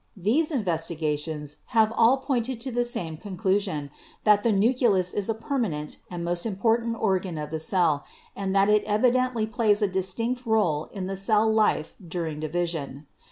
These investigations have all pointed to the same conclusion, that the nucleus is a permanent and most important organ of the cell, and that it evidently plays a distinct role in the cell life during division.